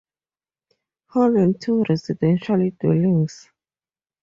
Hall and two residential dwellings.